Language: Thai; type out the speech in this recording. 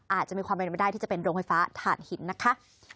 อาจจะมีความเป็นไปได้ที่จะเป็นโรงไฟฟ้าถ่านหินนะคะ